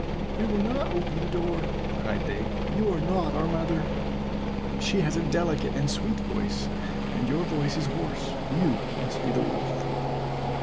"We will not open the door," cried they; "you are not our mother, she has a delicate and sweet voice, and your voice is hoarse; you must be the wolf."